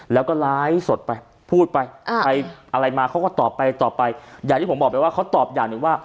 แล้วก็ไลฟ์สดไปพูดไปไปอะไรมาเขาก็ตอบไปตอบไปอย่างที่ผมบอกไปว่าเขาตอบอย่างหนึ่งว่า